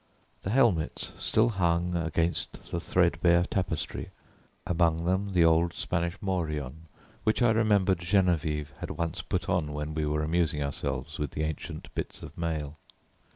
The helmets still hung against the threadbare tapestry, among them the old Spanish morion which I remembered Geneviève had once put on when we were amusing ourselves with the ancient bits of mail.